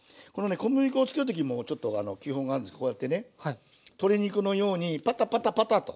小麦粉をつける時もちょっと基本があるんですけどこうやってね鶏肉のようにパタパタパタと。